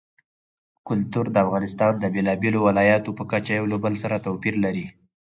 کلتور د افغانستان د بېلابېلو ولایاتو په کچه یو له بل سره توپیر لري.